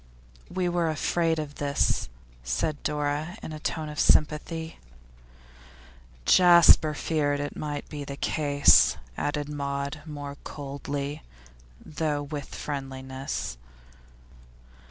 'We were afraid of this,' said Dora, in a tone of sympathy. 'Jasper feared it might be the case,' added Maud, more coldly, though with friendliness.